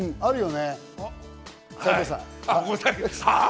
あるよね？